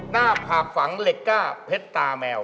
หน้าผากฝังเหล็กก้าเพชรตาแมว